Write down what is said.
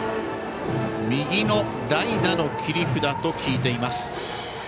右の代打の切り札と聞いています。